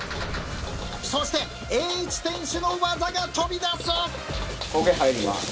そして栄一選手の技が飛び出す。